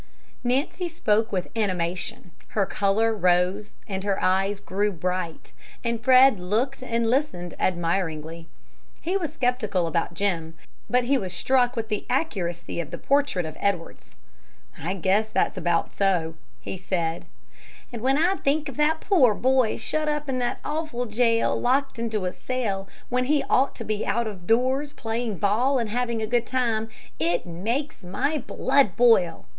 Nancy spoke with animation, her color rose and her eyes grew bright, and Fred looked and listened admiringly. He was skeptical about Jim, but he was struck with the accuracy of the portrait of Edwards. "I guess that's about so," he said. "And when I think of that poor boy shut up in that awful jail, locked into a cell, when he ought to be out of doors playing ball and having a good time, it makes my blood boil!"